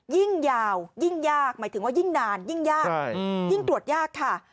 ยิ่งยาวยิ่งยากหมายถึงว่ายิ่งนานยิ่งยากยิ่งตรวจยากค่ะ